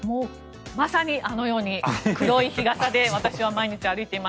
まさにあのように黒い日傘で私は毎日歩いています。